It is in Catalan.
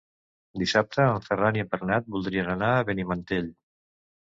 Dissabte en Ferran i en Bernat voldrien anar a Benimantell.